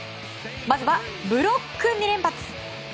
まずはブロック２連発。